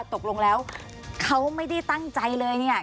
ตกลงแล้วเขาไม่ได้ตั้งใจเลยเนี่ย